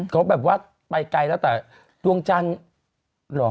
เขาแบบว่าไปไกลแล้วแต่ดวงจันทร์เหรอ